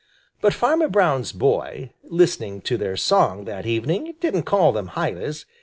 But Farmer Brown's boy, listening to their song that evening, didn't call them Hylas.